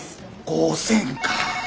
５，０００か。